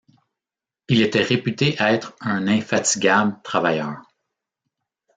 Il était réputé être un infatigable travailleur.